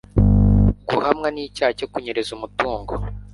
guhamwa n'icyaha cyo kunyereza umutungo